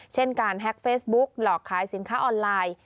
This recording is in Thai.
เช่นการแฮ็กเฟซบุ๊กหลอกขายสินค้าออนไลน์